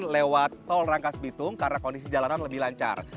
lewat tol rangkas bitung karena kondisi jalanan lebih lancar